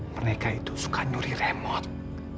mereka itu suka nyuri remot